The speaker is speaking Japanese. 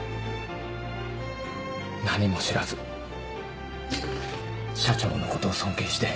何も知らず社長のことを尊敬して